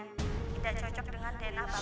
tidak cocok dengan dna pak